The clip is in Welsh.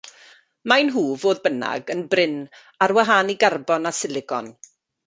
Maen nhw, fodd bynnag, yn brin, ar wahân i garbon a silicon.